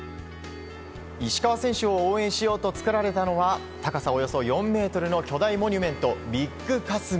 石川選手を応援しようと作られたのは高さおよそ４ｍの巨大モニュメント・ビッグ佳純。